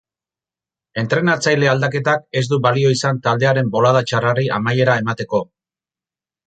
Entrenatzaile aldaketak ez du balio izan taldearen bolada txarrari amaiera emateko.